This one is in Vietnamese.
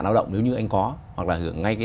lao động nếu như anh có hoặc là hưởng ngay cái